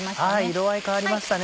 色合い変わりましたね。